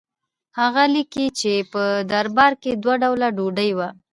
هغه لیکي چې په دربار کې دوه ډوله ډوډۍ وه.